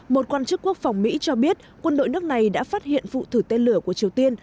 một quan chức quốc phòng mỹ cho biết quân đội nước này đã phát hiện vụ thử tên lửa của triều tiên